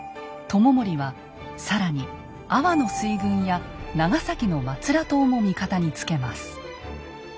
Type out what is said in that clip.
知盛は更に阿波の水軍や長崎の松浦党も味方につけます。